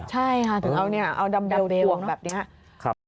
ใช่ค่ะถึงเอาดำเดวปวงแบบนี้ค่ะ